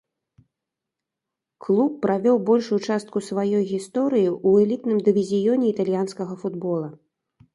Клуб правёў большую частку сваёй гісторыі ў элітным дывізіёне італьянскага футбола.